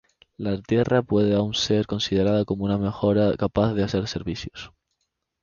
La tierra puede aún ser considerada como una mejora capaz de hacer servicios.